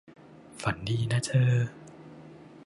ฝันดีนะเธอ